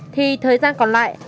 thì thời gian còn lại